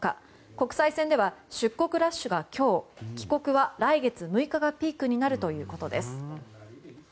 国際線では出国ラッシュが今日帰国は来月６日がピークになるということです。